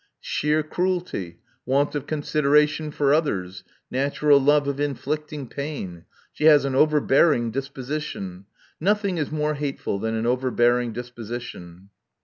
*' Sheer cruelty — want of consideration for others — natural love of inflicting pain. She has an overbearing disposition. Nothing is more hateful than an over bearing disposition."